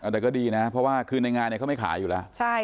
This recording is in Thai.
แต่ก็ดีนะเพราะว่าคือในงานเขาไม่ขายอยู่แล้ว